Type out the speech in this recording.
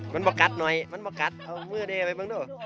มันบอกกัดหน่อยมันบอกกัดเอาเมื่อเดียวไปบ้างด้วย